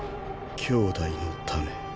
兄弟のため。